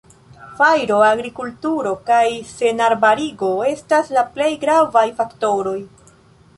Fajro, agrikulturo kaj senarbarigo estas la plej gravaj faktoroj.